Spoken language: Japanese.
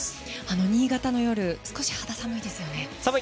新潟の夜、少し肌寒いですよね。